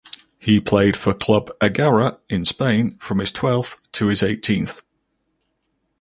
He played for Club Egara in Spain from his twelfth to his eighteenth.